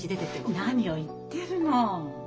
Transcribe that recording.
何を言ってるの！